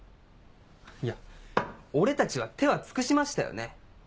いや俺たちは手は尽くしましたよね。